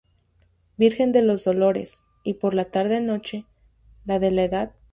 Virgen de los Dolores, y por la tarde-noche, la de la Hdad.